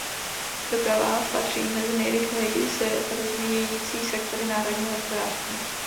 Doprava patří mezi nejrychleji se rozvíjející sektory národního hospodářství.